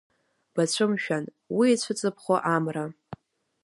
Бацәымшәан уи ицәыҵыԥхо амра.